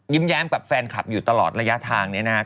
แย้มกับแฟนคลับอยู่ตลอดระยะทางนี้นะครับ